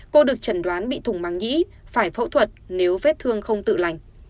cô được trần đoán bị thùng mắng nhĩ phải phẫu thuật nếu vết thương không tự lành